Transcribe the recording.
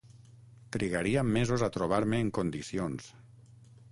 Trigaria mesos a trobar-me en condicions